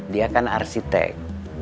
dia kan arsitek